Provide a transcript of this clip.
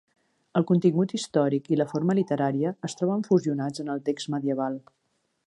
El contingut històric i la forma literària es troben fusionats en el text medieval.